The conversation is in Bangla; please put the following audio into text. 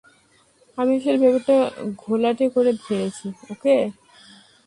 আমি আসলে ব্যাপারটা ঘোলাটে করে ফেলছি, ওকে?